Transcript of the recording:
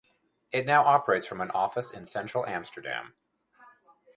It now operates from an office in central Amsterdam.